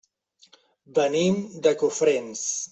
Venim de Cofrents.